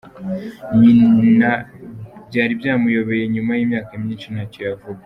Nyina byari byamuyobeye nyuma y’imyaka myinshi, ntacyo yavuga.